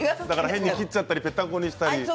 だから変に切っちゃったりぺったんこにしたり。